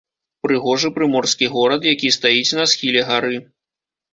Прыгожы прыморскі горад, які стаіць на схіле гары.